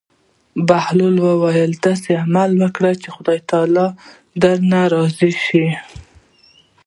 بهلول وویل: داسې عمل وکړه چې خدای تعالی درنه راضي شي.